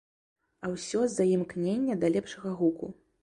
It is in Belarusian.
А ўсё з-за імкнення да лепшага гуку.